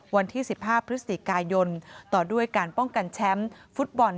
วันที่๑๕พฤศจิกายนต่อด้วยการป้องกันแชมป์ฟุตบอล